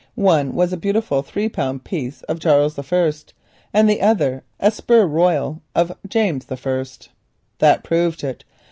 One was a beautiful three pound piece of Charles I., and the other a Spur Rial of James I. That proved it.